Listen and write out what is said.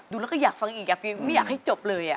ดูแล้วก็อยากฟังอีกไม่อยากให้จบเลย